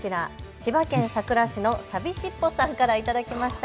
千葉県佐倉市のさびしっぽさんから頂きました。